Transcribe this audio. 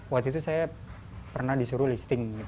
waktu itu saya pernah disuruh listing